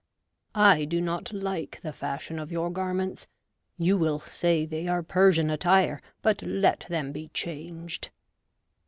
' I do not like the fashion of your garments — you will say, they are Persian attire, but let them be changed.'